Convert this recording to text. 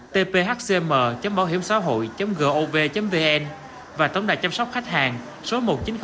tphcm bohiemxahoi gov vn và tổng đài chăm sóc khách hàng số một chín không không chín không sáu tám